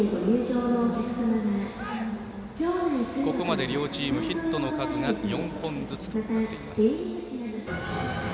ここまで両チーム、ヒットの数が４本ずつとなっています。